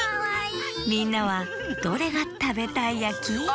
みんなはどれがたべたいやき？